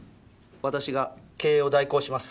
私が経営を代行します。